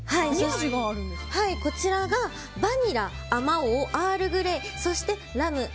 バニラあまおう、アールグレイそしてラム。